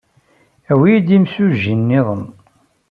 Awi-iyi-d imsujji niḍen.